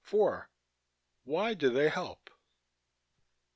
Why do they help?